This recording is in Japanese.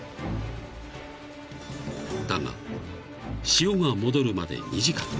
［だが潮が戻るまで２時間］